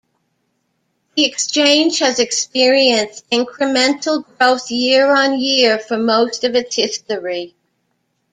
The Exchange has experienced incremental growth, year-on-year for most of its history.